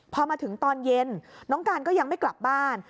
พอมาถึงตอนเย็นน้องการก็ยังไม่กลับบ้าน